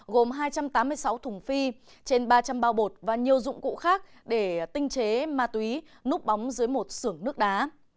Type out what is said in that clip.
gồm hai trăm tám mươi sáu thùng phi trên ba trăm linh bao bột và nhiều dụng cụ khác để tinh chế ma túy núp bóng dưới một sưởng nước đá